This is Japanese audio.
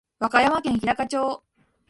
和歌山県日高町